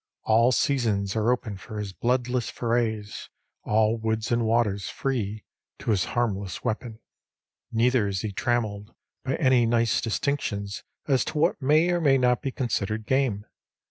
All seasons are open for his bloodless forays, all woods and waters free to his harmless weapon. Neither is he trammeled by any nice distinctions as to what may or may not be considered game.